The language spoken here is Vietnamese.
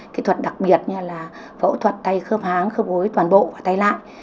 kỹ thuật đặc biệt như là phẫu thuật tay khớp háng khớp gối toàn bộ và tay lại